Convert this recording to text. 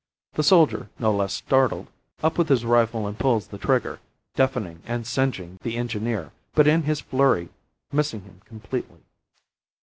The soldier, no less startled, up with his rifle and pulls the trigger, deafening and singeing the engineer, but in his flurry missing him completely.